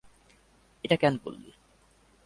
এটা কেন করলি?